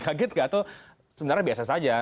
kaget nggak atau sebenarnya biasa saja